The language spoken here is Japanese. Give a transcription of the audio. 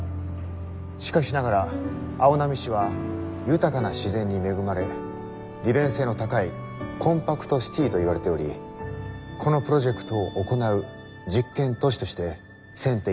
しかしながら青波市は豊かな自然に恵まれ利便性の高いコンパクトシティーといわれておりこのプロジェクトを行う実験都市として選定いたしました。